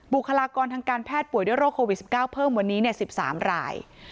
บุคลากรทางการแพทย์ป่วยด้วยโรคโควิด๑๙เพิ่มวันนี้๑๓ราย